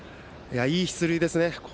いい出塁ですね。